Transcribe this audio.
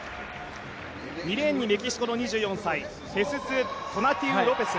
２レーンにメキシコの２４歳ヘスス・トナティウ・ロペス。